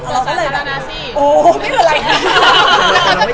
โอ้ไม่เป็นไร